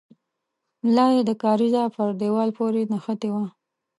ملا يې د کارېزه پر دېوال پورې نښتې وه.